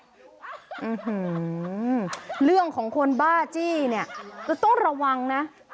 อื้อหือเรื่องของคนบ้าจี้นี่ต้องระวังนะ